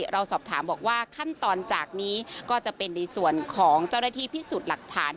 เราสอบถามบอกว่าขั้นตอนจากนี้ก็จะเป็นในส่วนของเจ้าหน้าที่พิสูจน์หลักฐาน